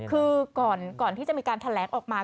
คือก่อนที่จะมีการแถลงออกมา